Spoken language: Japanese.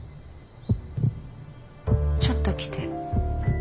ちょっと来て。